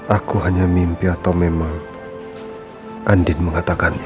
aku hanya mimpi atau memang andin mengatakannya